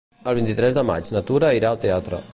El vint-i-tres de maig na Tura irà al teatre.